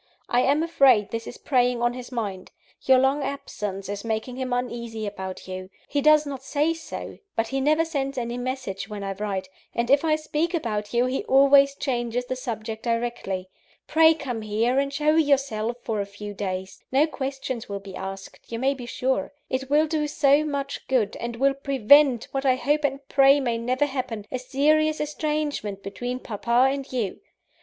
I am afraid this is preying on his mind: your long absence is making him uneasy about you. He does not say so; but he never sends any message, when I write; and if I speak about you, he always changes the subject directly. Pray come here, and show yourself for a few days no questions will be asked, you may be sure. It will do so much good; and will prevent what I hope and pray may never happen a serious estrangement between papa and you.